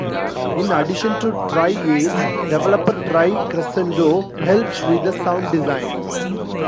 In addition to tri-Ace, developer tri-Crescendo helped with the sound design.